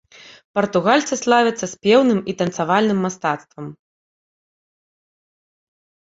Партугальцы славяцца спеўным і танцавальным мастацтвам.